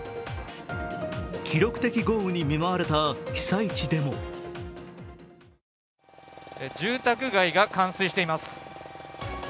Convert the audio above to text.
記録的豪雨に見舞われた被災地でも住宅街が冠水しています。